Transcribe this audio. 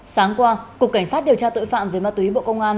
sáng qua cục cảnh sát điều tra tội phạm về ma túy bộ công an